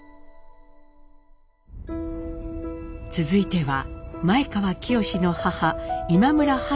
続いては前川清の母今村